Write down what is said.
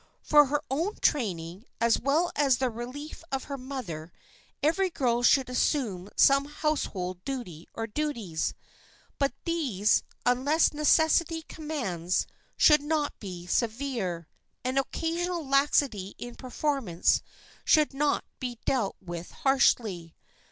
For her own training, as well as the relief of her mother, every girl should assume some household duty or duties. But these, unless necessity commands, should not be severe, and occasional laxity in performance should not be dealt with harshly.